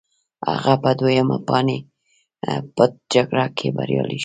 هغه په دویمه پاني پت جګړه کې بریالی شو.